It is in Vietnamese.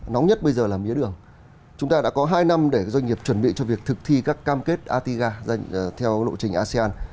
nóng nhất bây giờ là mía đường chúng ta đã có hai năm để các doanh nghiệp chuẩn bị cho việc thực thi các cam kết atiga theo lộ trình asean